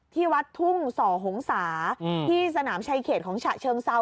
ที่วัดทุ่งส่อหงษาที่สนามชายเขตของฉะเชิงเซา